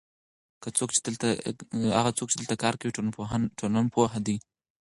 هغه څوک چې دلته کار کوي ټولنپوه دی.